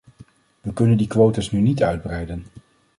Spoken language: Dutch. We kunnen die quota's nu niet uitbreiden.